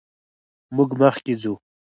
موږ مخکې ځو.